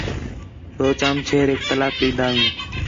سوچام چھریک طلاق ݙین٘دا ہیں